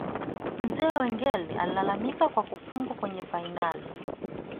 Mzee Wenger alilalamika kwa kufungwa kwenye fainali